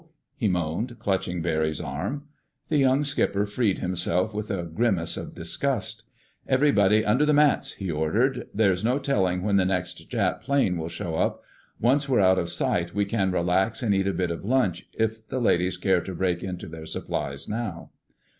he moaned, clutching Barry's arm. The young skipper freed himself with a grimace of disgust. "Everybody under the mats!" he ordered. "There's no telling when the next Jap plane will show up. Once we're out of sight we can relax and eat a bit of lunch, if the ladies care to break into their supplies now."